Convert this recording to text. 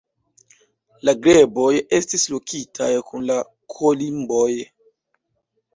La greboj estis lokitaj kun la kolimboj.